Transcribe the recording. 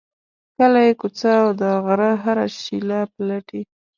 کلی، کوڅه او د غره هره شیله پلټي.